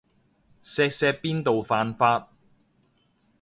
錫錫邊度犯法